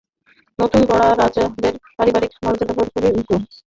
নতুন-গড়া রাজাদের পারিবারিক মর্যাদাবোধ খুবই উগ্র।